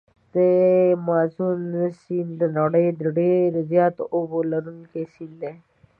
د مازون سیند د نړۍ د ډېر زیاتو اوبو لرونکي سیند دی.